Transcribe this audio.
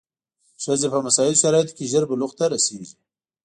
ښځې په مساعدو شرایطو کې ژر بلوغ ته رسېږي.